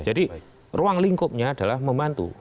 jadi ruang lingkupnya adalah membantu